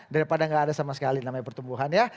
daripada nggak ada sama sekali namanya pertumbuhan ya